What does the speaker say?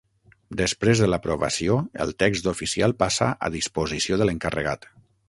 Després de l'aprovació, el text oficial passa a disposició de l'encarregat.